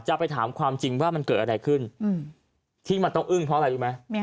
จะไปถามความจริงว่ามันเกิดอะไรขึ้นที่มันต้องอึ้งเพราะอะไรรู้ไหม